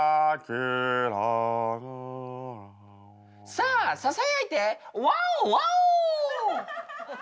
さささやいてワオワオ！